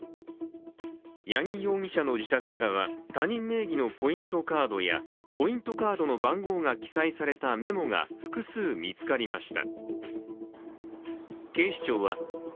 八木容疑者の自宅からは、他人名義のポイントカードやポイントカードの番号が記載されたメモが複数見つかりました。